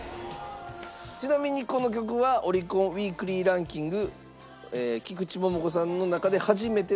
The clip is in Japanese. ちなみにこの曲はオリコンウィークリーランキング菊池桃子さんの中で初めての１位。